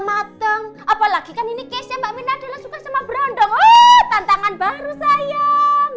mateng apalagi kan ini kesemba minat dengan suka sama berondong tantangan baru sayang